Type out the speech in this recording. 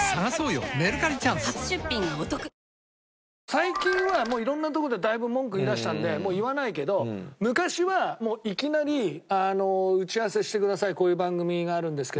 最近は色んなとこでだいぶ文句言いだしたんでもう言わないけど昔はいきなり「打ち合わせしてくださいこういう番組があるんですけど」